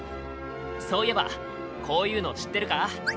そういえばこういうの知ってるか？